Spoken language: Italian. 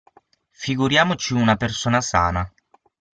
Figuriamoci una persona sana.